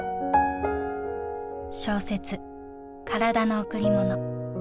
小説「体の贈り物」。